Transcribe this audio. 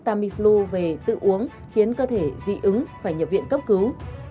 tamiflu về tự uống khiến cơ thể dị ứng phải nhập viện cấp cứu